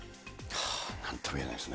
なんともいえないですね。